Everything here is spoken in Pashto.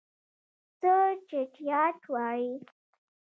څه چټياټ وايي.